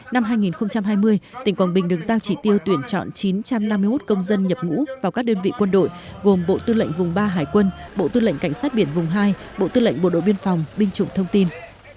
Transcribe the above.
năm hai nghìn hai mươi tỉnh quảng bình được giao chỉ tiêu tuyển chọn chín trăm năm mươi một công dân nhập ngũ vào các đơn vị quân đội gồm bộ tư lệnh vùng ba hải quân bộ tư lệnh cảnh sát biển vùng hai bộ tư lệnh bộ đội biên phòng binh chủng thông tin